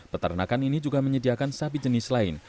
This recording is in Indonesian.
peternakan ini juga menyediakan sapi jenis lain